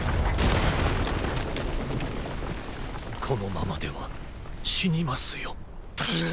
このままでは死にますよ。